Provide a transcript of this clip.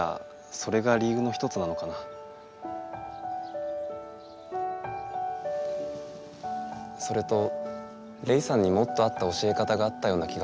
それとレイさんにもっと合った教え方があったような気がするんです。